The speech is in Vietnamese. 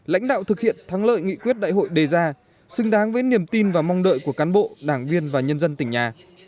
lãnh đạo thực hiện thắng lợi nghị quyết đại hội đề ra xứng đáng với niềm tin và mong đợi của cán bộ đảng viên và nhân dân tỉnh nhà